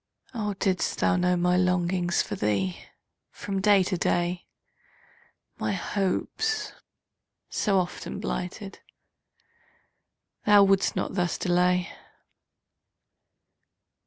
Oh, didst thou know my longings For thee, from day to day, My hopes, so often blighted, Thou wouldst not thus delay!